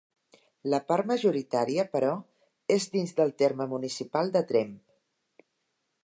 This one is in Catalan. La part majoritària, però, és dins del terme municipal de Tremp.